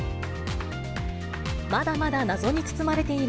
まだまだ謎に包まれている